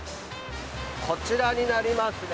こちらになりますね。